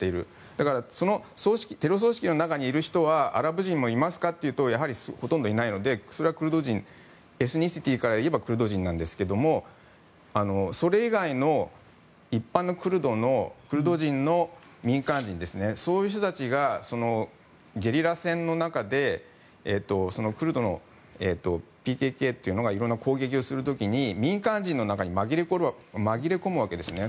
だからテロ組織の中にいる人はアラブ人もいますかというとやはりほとんどいないのでそれはエスニシティーから言えばクルド人ですがそれ以外の一般のクルド人の民間人そういう人たちがゲリラ戦の中でクルドのＰＫＫというのが色んな攻撃をする時に民間人の中にまぎれ込むわけですね。